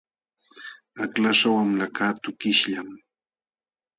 Aklaśhqa wamlakaq tukishllam.